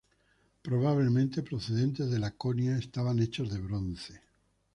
Probablemente procedentes de Laconia, estaban hechos de bronce.